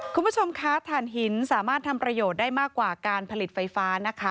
คุณผู้ชมคะฐานหินสามารถทำประโยชน์ได้มากกว่าการผลิตไฟฟ้านะคะ